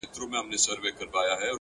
حقیقي خوشحالي په زړه کې ده.